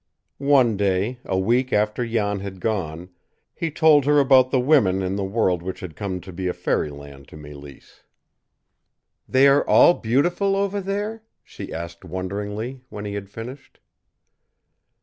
One day, a week after Jan had gone, he told her about the women in the world which had come to be a fairy land to Mélisse. "They are all beautiful over there?" she asked wonderingly, when he had finished.